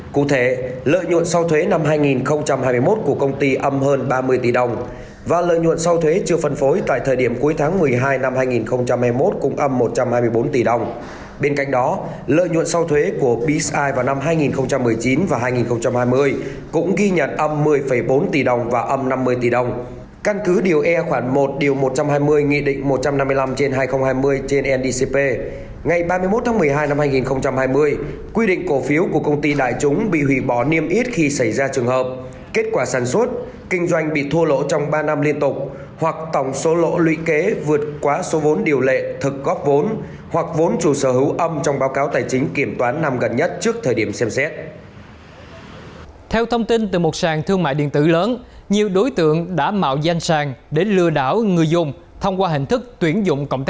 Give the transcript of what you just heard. cụ thể lợi nhuận sau thuế năm hai nghìn hai mươi một của công ty âm hơn ba mươi tỷ đồng và lợi nhuận sau thuế chưa phân phối tại thời điểm cuối tháng một mươi hai năm hai nghìn hai mươi một cũng âm một trăm hai mươi bốn tỷ đồng